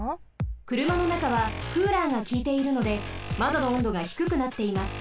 くるまのなかはクーラーがきいているのでまどの温度がひくくなっています。